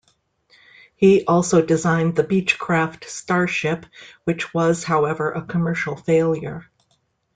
He also designed the Beechcraft Starship, which was, however, a commercial failure.